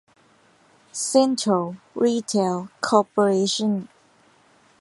เซ็นทรัล รีเทล คอร์ปอเรชั่น